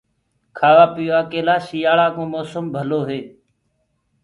کآوآ پيوآ ڪي لآ سيٚآݪڪو موسم ڀلو هي۔